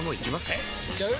えいっちゃう？